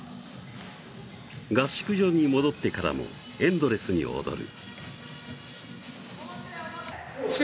合宿所に戻ってからもエンドレスに踊る。